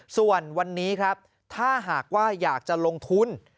ส่วนวันนี้ครับถ้าหากว่าอยากจะลงทุน